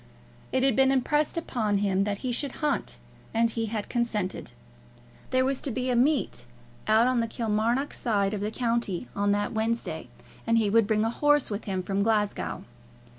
It had been impressed upon him that he should hunt, and he had consented. There was to be a meet out on the Kilmarnock side of the county on that Wednesday, and he would bring a horse with him from Glasgow.